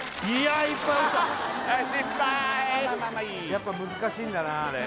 やっぱ難しいんだなあれ